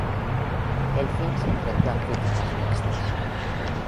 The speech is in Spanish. El film se enfrentó a críticas mixtas.